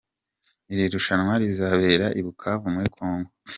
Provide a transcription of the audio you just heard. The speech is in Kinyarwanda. Iri rushanwa rizabera i Bukavu muri Congo.